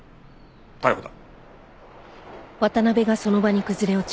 逮捕だ。